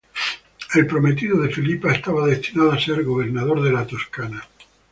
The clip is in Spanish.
El prometido de Felipa estaba destinado a ser Gobernador de Toscana.